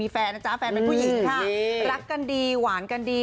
พวกผู้หญิงค่ะรักกันดีหวานกันดี